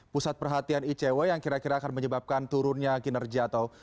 pusat perhatian icw yang kira kira akan menyebabkan turunnya kinerja atau